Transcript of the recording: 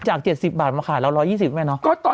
จาก๗๐บาทมาขายแล้ว๑๒๐บาทไหมเนอะ